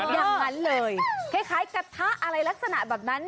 อย่างนั้นเลยคล้ายกระทะอะไรลักษณะแบบนั้น